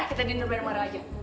kita diner bareng bareng aja